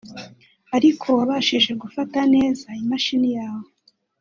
ariko wabashije gufata neza imashini yawe